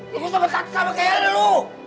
lo bisa bersama sama gary dulu